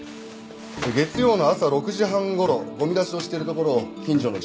月曜の朝６時半頃ゴミ出しをしているところを近所の住民が目撃しています。